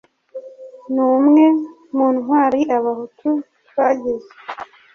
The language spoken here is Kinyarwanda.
numwe mu ntwali abahutu twagize